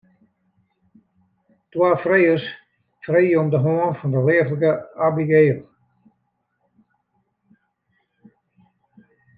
Twa frijers freegje om de hân fan de leaflike Abigail.